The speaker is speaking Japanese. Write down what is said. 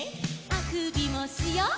「あくびもしよう」